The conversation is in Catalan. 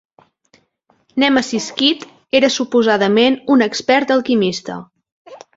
Nemesis Kid era suposadament un expert alquimista.